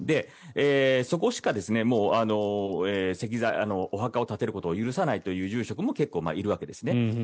そこしかお墓を建てることを許さないという住職も結構いるわけですね。